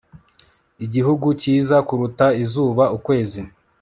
Igihugu cyiza kuruta izuba Ukwezi